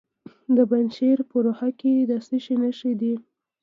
د پنجشیر په روخه کې د څه شي نښې دي؟